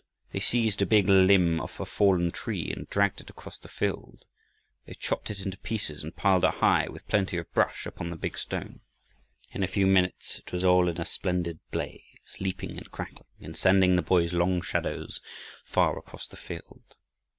They seized a big limb of a fallen tree and dragged it across the field. They chopped it into pieces, and piled it high with plenty of brush, upon the big stone. In a few minutes it was all in a splendid blaze, leaping and crackling, and sending the boys' long shadows far across the field.